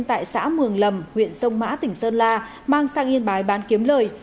tại xã mường lầm huyện sông mã tỉnh sơn la mang sang yên bái bán kiếm lời